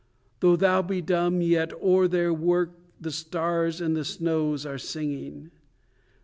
Though thou be dumb, yet o'er their work the stars and snows are singing.